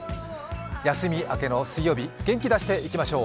休み明けの水曜日、元気を出していきましょう。